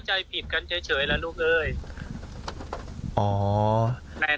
อาจจะเป็นเพราะความเข้าใจผิดกันเฉยละลูกเอ้ย